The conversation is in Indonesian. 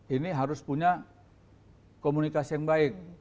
ini harus punya komunikasi yang baik